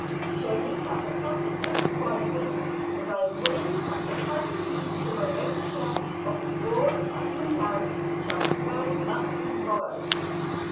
Show me that the public good requires it, and I am willing that the title deeds for my own share of the broad Putnam lands shall be burnt up tomorrow."